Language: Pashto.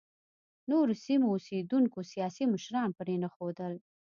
نورو سیمو اوسېدونکو سیاسي مشران پرېنښودل.